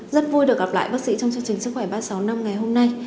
rất vui được gặp lại bác sĩ trong chương trình sức khỏe ba trăm sáu mươi năm ngày hôm nay